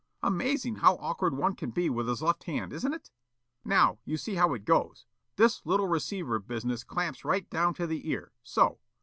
Amazing how awkward one can be with his left hand, isn't it? Now, you see how it goes. This little receiver business clamps right down to the ear, so.